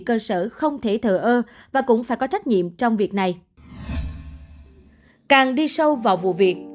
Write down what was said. cơ sở không thể thở ơ và cũng phải có trách nhiệm trong việc này càng đi sâu vào vụ việc